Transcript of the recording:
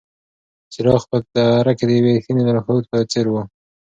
څراغ په تیاره کې د یوې رښتینې لارښود په څېر و.